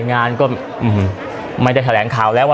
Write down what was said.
งานก็ไม่ได้แถลงข่าวแล้วว่า